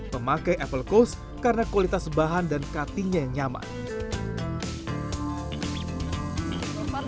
memakai apple coast karena kualitas bahan dan cuttingnya yang nyaman